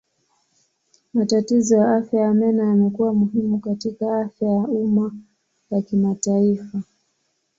Matatizo ya afya ya meno yamekuwa muhimu katika afya ya umma ya kimataifa.